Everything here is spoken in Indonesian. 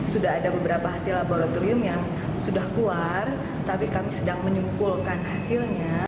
sudah ada beberapa hasil laboratorium yang sudah keluar tapi kami sedang menyimpulkan hasilnya